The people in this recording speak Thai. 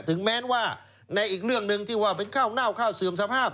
ถึงแม้ว่าในอีกเรื่องหนึ่งที่ว่าเป็นข้าวเน่าข้าวเสื่อมสภาพ